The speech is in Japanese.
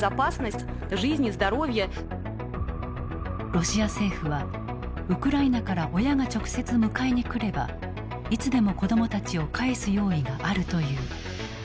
ロシア政府はウクライナから親が直接迎えに来ればいつでも子どもたちを帰す用意があるという。